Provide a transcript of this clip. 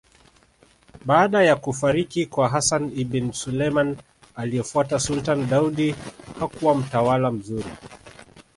Baada ya kufariki kwa Hassan Ibin Suleman aliyefuata Sultan Daudi hakuwa mtawala mzuri